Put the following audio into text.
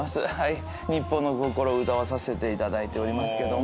日本の心を歌わせて頂いておりますけども。